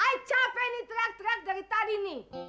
ayah capek nih terang terang dari tadi nih